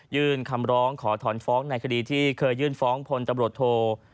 ยื่นคำร้องขอถอนฟ้องในคดีที่เคยยื่นฟ้องพลตำรวจโท